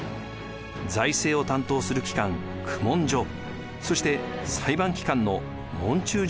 財政を担当する機関・公文所そして裁判機関の問注所を設置しました。